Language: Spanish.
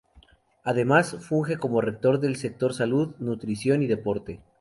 Además funge como rector del Sector Salud, Nutrición y Deporte.